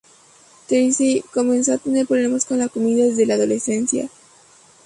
Tracey comenzó a tener problemas con la comida desde la adolescencia.